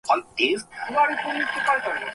我々はどこまでも物に奪われてはならない。